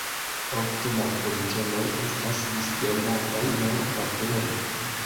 Ofte la bultenoj estas disdonataj nur papere.